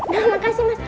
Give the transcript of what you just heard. hah makasih mas